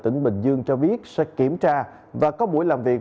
tỉnh bình dương cho biết sẽ kiểm tra và có buổi làm việc